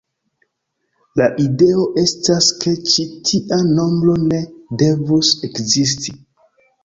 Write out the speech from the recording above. La ideo estas ke ĉi tia nombro ne devus ekzisti.